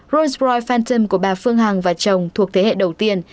rolls royce phantom của bà phương hằng và chồng thuộc thế hệ đầu tiên